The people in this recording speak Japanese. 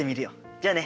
じゃあね。